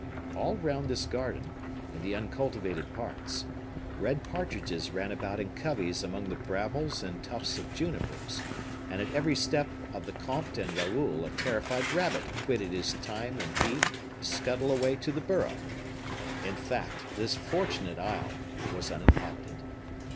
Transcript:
All round this garden, in the uncultivated parts, red partridges ran about in conveys among the brambles and tufts of junipers, and at every step of the comte and Raoul a terrified rabbit quitted his thyme and heath to scuttle away to the burrow. In fact, this fortunate isle was uninhabited.